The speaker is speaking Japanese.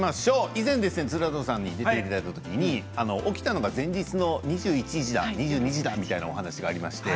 以前、鶴太郎さんに出ていただいたときに起きたのが前日の２１時だ、２２時だという話をしていました。